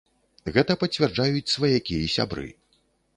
Гэта пацвярджаюць сваякі і сябры.